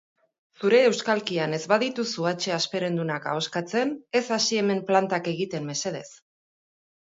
Zure euskalkian ez badituzu hatxe hasperendunak ahoskatzen, ez hasi hemen plantak egiten, mesedez.